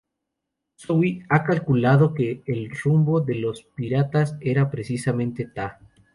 Zoe ha calculado que el rumbo de los piratas era precisamente Ta.